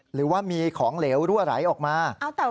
หรือว่ามีของเหลวรั่วไหลออกมา